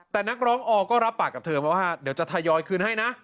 แต่นักร้องออก็รับปากกับเธอเพราะว่าเดี๋ยวจะทยอยคืนให้นะ